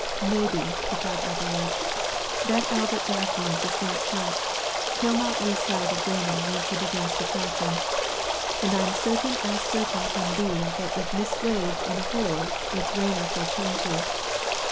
"Maybe," replied Appleyard. "That Albert Gaffney's a smart chap he'll not lose sight of Rayner once he begins to track him. And I'm certain as certain can be that if Miss Slade's in a hole it's Rayner she'll turn to.